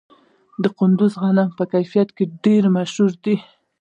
د کندز غنم په کیفیت کې ډیر مشهور دي.